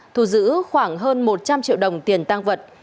thu giữ khoảng hơn một trăm linh triệu đồng tiền tăng vật